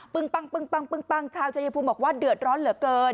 ปึ้งปังปึ้งปังปึ้งปังชาวเจ้าเยียมภูมิบอกว่าเดือดร้อนเหลือเกิน